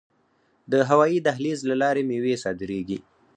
د هوایی دهلیز له لارې میوې صادریږي.